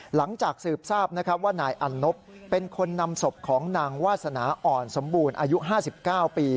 หลังจากสืบทราบว่านายอันนบเป็นคนนำศพของนางวาสนาอ่อนสมบูรณ์อายุ๕๙ปี